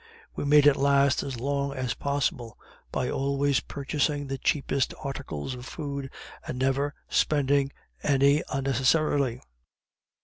We made it last as long as possible, by always purchasing the cheapest articles of food, and never spending any unnecessarily.